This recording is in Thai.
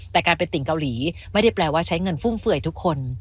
แต่การเป็นติ่งเกาหลีไม่ได้แปลว่าใช้เงินฟุ่มเฟื่อยทุกคน